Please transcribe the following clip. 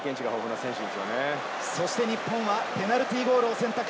日本はペナルティーゴールを選択。